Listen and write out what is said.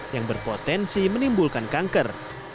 yang berpotensi menimbulkan kanker